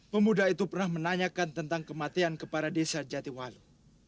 pemuda itu pernah menanyakan tentang kematian kepada desa jatiwalu